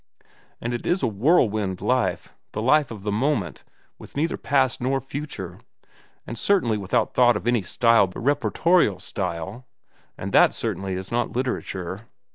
And it is a whirlwind life, the life of the moment, with neither past nor future, and certainly without thought of any style but reportorial style, and that certainly is not literature.